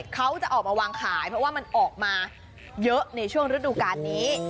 เขาจะออกมาวางขายเพราะว่ามันออกมาเยอะในช่วงฤดูการนี้